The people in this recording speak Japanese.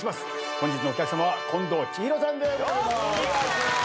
本日のお客さまは近藤千尋さんでございます。